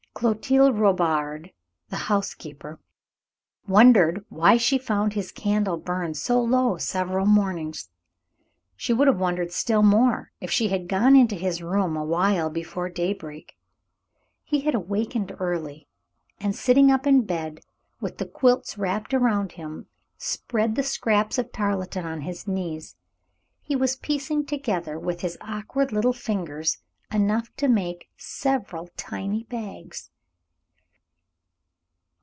Clotilde Robard, the housekeeper, wondered why she found his candle burned so low several mornings. She would have wondered still more if she had gone into his room a while before daybreak. He had awakened early, and, sitting up in bed with the quilts wrapped around him, spread the scraps of tarletan on his knees. He was piecing together with his awkward little fingers enough to make several tiny bags.